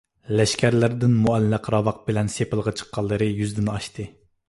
لەشكەرلەردىن مۇئەللەق راۋاق بىلەن سېپىلغا چىققانلىرى يۈزدىن ئاشتى.